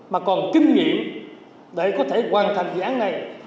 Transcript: mà còn kinh nghiệm để có thể hoàn thành dự án này